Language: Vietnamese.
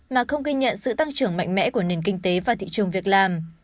mà không ghi nhận sự tăng trưởng mạnh mẽ của nền kinh tế và thị trường việc làm